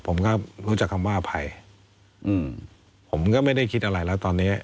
ผมก็รู้จักคำว่าอภัยอืมผมก็ไม่ได้คิดอะไรแล้วตอนนี้